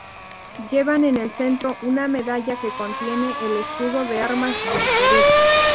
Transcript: Lleva en el centro una medalla que contiene el Escudo de Armas del Perú.